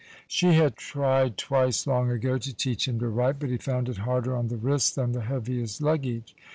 She had tried twice long ago to teach him to write, but he found it harder on the wrists than the heaviest luggage.